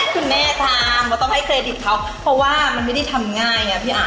คุณแม่ทำก็ต้องให้เครดิตเขาเพราะว่ามันไม่ได้ทำง่ายไงพี่อา